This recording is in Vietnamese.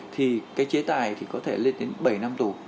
thì cái chế tài thì có thể lên đến bảy năm tù